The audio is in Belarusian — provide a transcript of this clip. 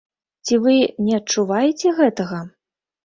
Ці вы не адчуваеце гэтага?